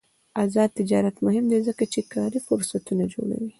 آزاد تجارت مهم دی ځکه چې کاري فرصتونه جوړوي.